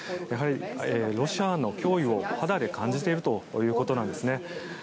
やはりロシアの脅威を肌で感じているということなんですね。